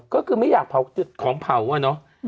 ก็คือไม่อยากเผาจุดของเผาอะเนาะ